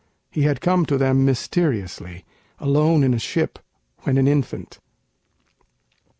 He had come to them mysteriously, alone in a ship, when an infant.